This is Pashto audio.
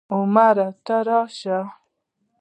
عمرې ته لاړ شه.